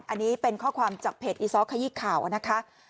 อันนี้เป็นข้อความจากเพจอีซ้อขยี้ข่าวนะคะ